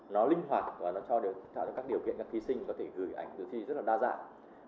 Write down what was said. nó linh hoạt và nó cho được các điều kiện cho khí sinh có thể gửi ảnh từ khi rất là đa dạng